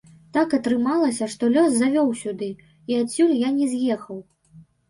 Так атрымалася, што лёс завёў сюды, і адсюль я не з'ехаў.